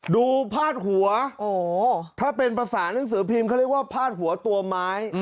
พาดหัวถ้าเป็นภาษาหนังสือพิมพ์เขาเรียกว่าพาดหัวตัวไม้